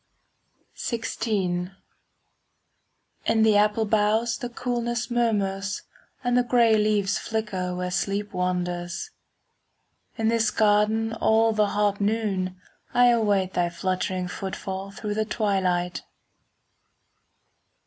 XVI In the apple boughs the coolness Murmurs, and the grey leaves flicker Where sleep wanders. In this garden all the hot noon I await thy fluttering footfall 5 Through the twilight.